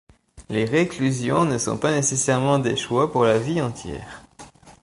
Les réclusions ne sont pas nécessairement des choix pour la vie entière.